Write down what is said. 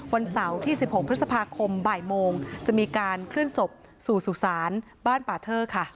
วันเสาร์ที่๑๖พฤษภาคมบ่ายโมงจะมีการเคลื่อนศพสู่สุสานบ้านป่าเทอร์ค่ะ